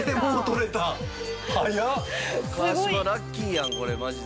川島ラッキーやんこれマジで。